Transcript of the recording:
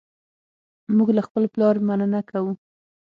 موږ له خپل پلار مننه کوو.